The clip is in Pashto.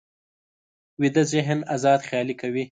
ویده ذهن ازاد خیالي کوي